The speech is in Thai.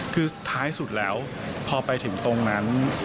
คือท้ายสุดแล้วพอไปถึงตรงนั้น